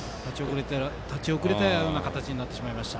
立ち遅れたような形になってしまいました。